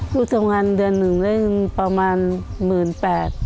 ลูกทำงานเดือนหนึ่งได้เงินประมาณหมื่นแปด